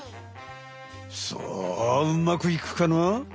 さあうまくいくかな？